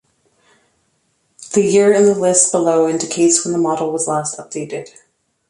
The year in the list below indicates when the model was last updated.